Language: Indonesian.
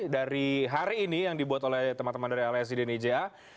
dari hari ini yang dibuat oleh teman teman dari lsi denija